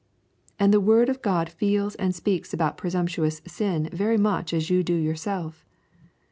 And the word of God feels and speaks about presumptuous sin very much as you do yourself.